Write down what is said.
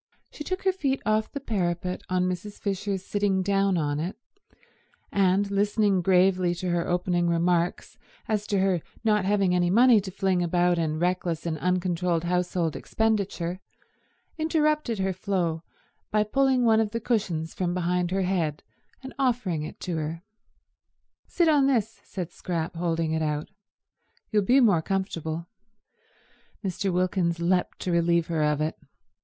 She took her feet off the parapet on Mrs. Fisher's sitting down on it, and listening gravely to her opening remarks as to her not having any money to fling about in reckless and uncontrolled household expenditure, interrupted her flow by pulling one of the cushions from behind her head and offering it to her. "Sit on this," said Scrap, holding it out. "You'll be more comfortable." Mr. Wilkins leapt to relieve her of it.